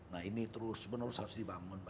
nah ini terus menerus harus dibangun